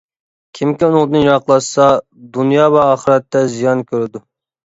كىمكى ئۇنىڭدىن يىراقلاشسا، دۇنيا ۋە ئاخىرەتتە زىيان كۆرىدۇ.